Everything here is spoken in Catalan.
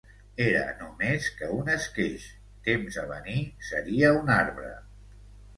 Era no més que un esqueix, temps a venir seria un arbre